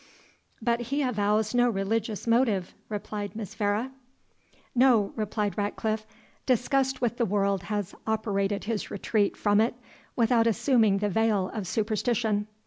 "But he avows no religious motive," replied Miss Vere. "No," replied Ratcliffe; "disgust with the world has operated his retreat from it without assuming the veil of superstition.